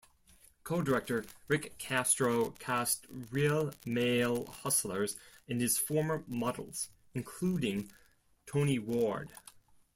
Co-director Rick Castro cast real male hustlers and his former models, including Tony Ward.